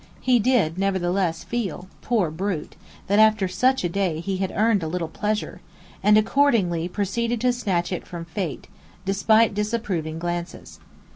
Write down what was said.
He did nevertheless feel, poor brute, that after such a day he had earned a little pleasure, and, accordingly proceeded to snatch it from Fate, despite disapproving glances.